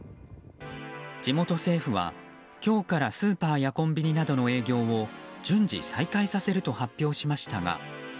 地元政府は今日からスーパーやコンビニなどの営業を順次、再開させると発表しましたが。